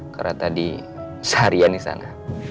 karena tadi seharian di sana